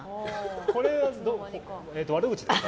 これは悪口ですか？